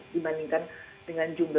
jadi yang terinfeksi dan yang meninggal